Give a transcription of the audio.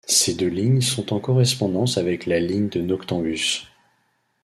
Ces deux lignes sont en correspondance avec la ligne de Noctambus.